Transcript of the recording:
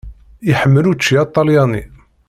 Iḥemmel učči aṭalyani.